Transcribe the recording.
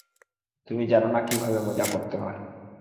তুমি জানো না কীভাবে মজা করতে হয়।